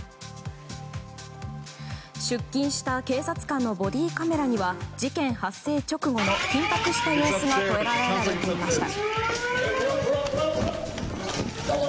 出勤した警察官のボディーカメラには事件発生直後の緊迫した様子が捉えられていました。